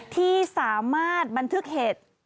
ที่สามารถบันทึกเหตุ